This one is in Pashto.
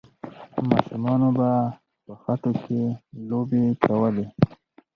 ماشومانو به په خټو کې لوبې کولې.